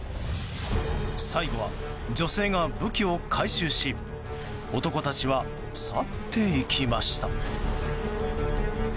最後は女性が武器を回収し男たちは去っていきました。